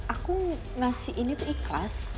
aku ngasih ini tuh ikhlas